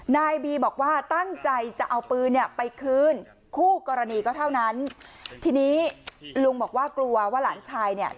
นายบีบอกว่าตั้งใจจะเอาปืนเนี่ยไปคืนคู่กรณีก็เท่านั้นทีนี้ลุงบอกว่ากลัวว่าหลานชายเนี่ย